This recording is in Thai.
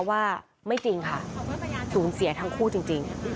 ว่าไม่จริงค่ะสูญเสียทั้งคู่จริง